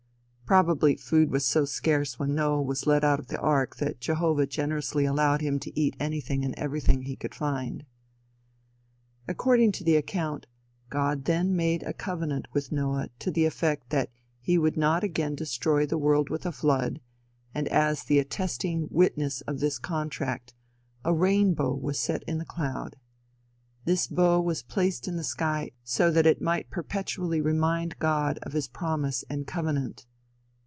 Probably food was so scarce when Noah was let out of the ark that Jehovah generously allowed him to eat anything and everything he could find. According to the account, God then made a covenant with Noah to the effect that he would not again destroy the world with a flood, and as the attesting witness of this contract, a rainbow was set in the cloud. This bow was placed in the sky so that it might perpetually remind God of his promise and covenant.